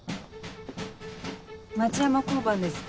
町山交番です。